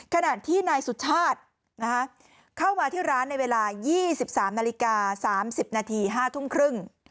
ขณะที่นายสุชาติเข้ามาที่ร้านในเวลา๒๓นาฬิกา๓๐นาที๕ทุ่มครึ่ง